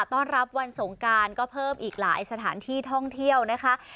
ต้อนรับวันสงการก็เพิ่มอีกหลายสถานที่ท่องเที่ยวนะคะ